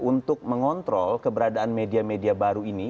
untuk mengontrol keberadaan media media baru ini